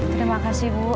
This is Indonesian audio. terima kasih bu